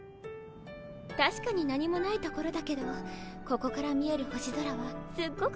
たしかに何もない所だけどここから見える星空はすっごくきれいなの。